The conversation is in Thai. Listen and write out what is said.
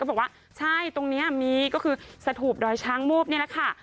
บอกว่าใช่ตรงนี้มีก็คือสถูปดอยช้างมูบนี่แหละค่ะ